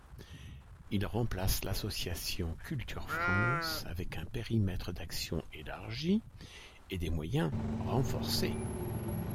Il remplace l’association Culturesfrance avec un périmètre d’action élargi et des moyens renforcés.